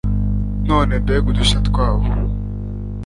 None mbega udushya twabo